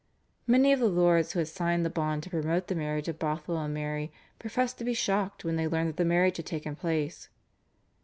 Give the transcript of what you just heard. " Many of the lords, who had signed the bond to promote the marriage of Bothwell and Mary, professed to be shocked when they learned that the marriage had taken place.